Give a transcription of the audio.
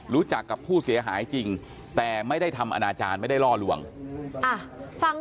รู้จักกับผู้เสียหายจริงแต่ไม่ได้ทำอนาจารย์ไม่ได้ล่อลวงฟัง